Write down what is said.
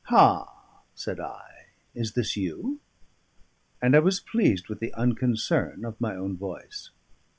"Ha!" said I, "is this you?" and I was pleased with the unconcern of my own voice.